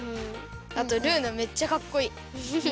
あとルーナめっちゃかっこいい。ね！